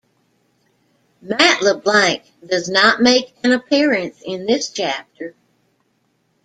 Matt LeBlanc does not make an appearance in this chapter.